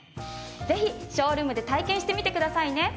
ぜひショールームで体験してみてくださいね。